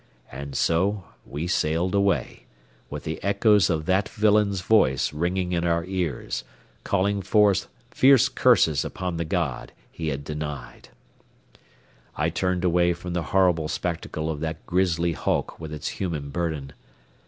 And so we sailed away, with the echoes of that villain's voice ringing in our ears, calling forth fierce curses upon the God he had denied. I turned away from the horrible spectacle of that grisly hulk with its human burden.